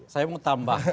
saya mau tambah